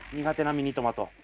苦手なミニトマト。